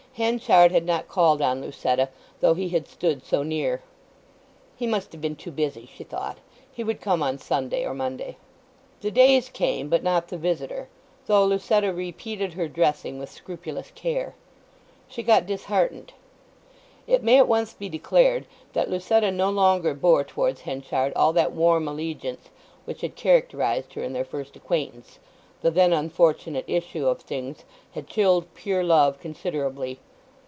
Henchard had not called on Lucetta though he had stood so near. He must have been too busy, she thought. He would come on Sunday or Monday. The days came but not the visitor, though Lucetta repeated her dressing with scrupulous care. She got disheartened. It may at once be declared that Lucetta no longer bore towards Henchard all that warm allegiance which had characterized her in their first acquaintance, the then unfortunate issue of things had chilled pure love considerably.